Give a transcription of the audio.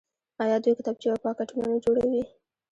آیا دوی کتابچې او پاکټونه نه جوړوي؟